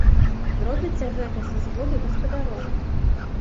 Робіцца гэта са згоды гаспадароў.